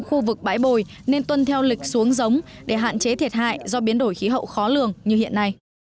khu vực bãi bồi nên tuân theo lịch xuống giống để hạn chế thiệt hại do biến đổi khí hậu khó lường như hiện nay